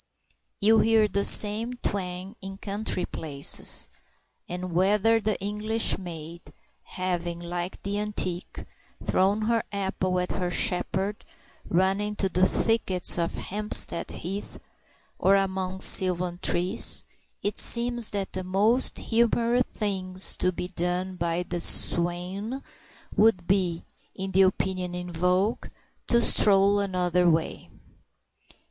You hear the same twang in country places; and whether the English maid, having, like the antique, thrown her apple at her shepherd, run into the thickets of Hampstead Heath or among sylvan trees, it seems that the most humorous thing to be done by the swain would be, in the opinion in vogue, to stroll another way.